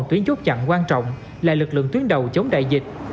tuyến chốt chặn quan trọng là lực lượng tuyến đầu chống đại dịch